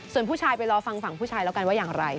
ส่วนผู้ชายไปรอฟังฝั่งผู้ชายแล้วกันว่าอย่างไร